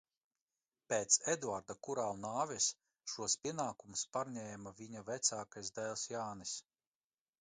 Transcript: Pēc Eduarda Kurau nāves šos pienākumus pārņēma viņa vecākais dēls Jānis.